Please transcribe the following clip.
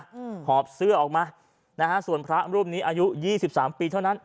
หอบเสื้อออกมานะฮะส่วนพระรูปนี้อายุยี่สิบสามปีเท่านั้น